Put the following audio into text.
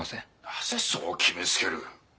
なぜそう決めつける？